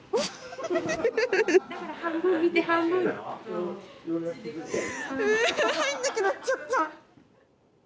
うう入んなくなっちゃった！